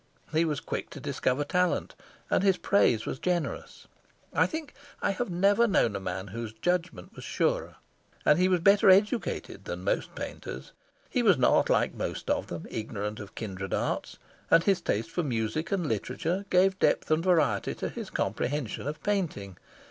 He was quick to discover talent, and his praise was generous. I think I have never known a man whose judgment was surer. And he was better educated than most painters. He was not, like most of them, ignorant of kindred arts, and his taste for music and literature gave depth and variety to his comprehension of painting.